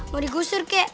mau digusur kek